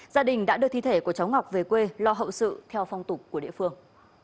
gia đình đã đưa thi thể của cháu ngọc về quê lo hậu sự theo phong tục của địa phương